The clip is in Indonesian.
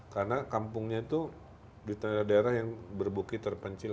karena kampungnya itu di daerah daerah yang berbukit terpencil